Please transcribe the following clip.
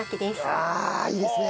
ああいいですね！